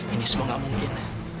ini semua tidak mungkin